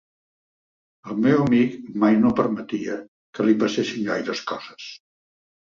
El meu amic mai no permetia que li passessin gaires coses.